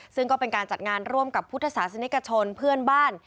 ซึ่งก็เป็นการจัดงานร่วมกับพุทธศาสนิกชนเพื่อนบ้าน